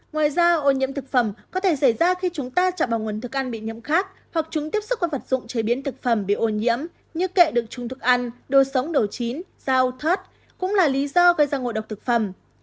ngoài ra ô nhiễm thực phẩm có thể xảy ra khi chúng ta chạm vào nguồn thức ăn bị nhiễm khác hoặc chúng tiếp xúc qua vật dụng chế biến thực phẩm bị ô nhiễm như kệ được trung thức ăn đồ sống đồ chín dao thớt cũng là lý do gây ra ngộ độc thực phẩm